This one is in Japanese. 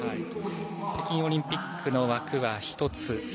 北京オリンピックの枠は１つ。